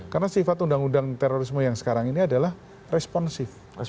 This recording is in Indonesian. karena sifat undang undang terorisme yang sekarang ini adalah responsif